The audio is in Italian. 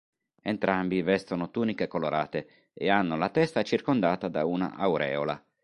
Entrambi vestono tuniche colorate e hanno la testa circondata da una aureola.